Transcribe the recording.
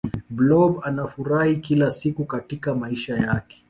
blob anafurahi kila siku katika maisha yake